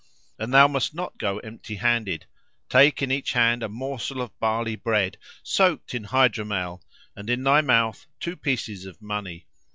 And thou must not go empty handed. Take in each hand a morsel of barley bread, soaked in hydromel; and in thy mouth two pieces of money.